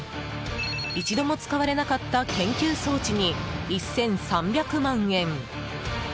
一度も使われなかった研究装置に１３００万円。